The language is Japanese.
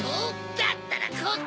だったらこっちだ！